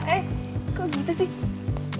eh kok gitu sih